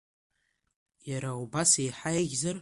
Иара убас еиҳа еиӷьзар?